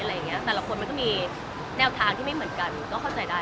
แต่ละคนมันก็มีแนวทางที่ไม่เหมือนกันก็เข้าใจได้